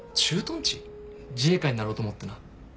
自衛官になろうと思ってな。